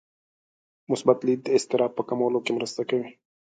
مثبت لید د اضطراب په کمولو کې مرسته کوي.